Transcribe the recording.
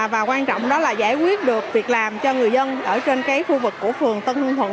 và quan trọng đó là giải quyết được việc làm cho người dân ở trên cái khu vực của phường tân hương thuận